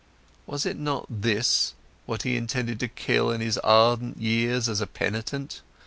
Was it not this what he used to intend to kill in his ardent years as a penitent?